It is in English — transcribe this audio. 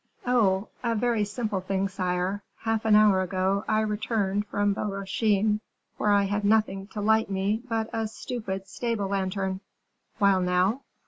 "Oh! a very simple thing, sire; half an hour ago I returned from Bois Rochin, where I had nothing to light me but a stupid stable lantern " "While now?"